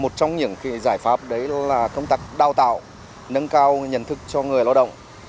một trong những giải pháp đấy là công tác đào tạo nâng cao nhận thức cho người lao động